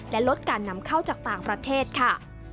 และลดการนำเข้าจากต่างประเทศค่ะ